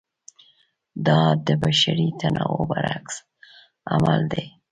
دا د بشري تنوع برعکس عمل دی.